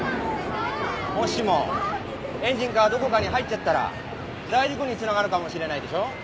もしもエンジンかどこかに入っちゃったら大事故につながるかもしれないでしょ。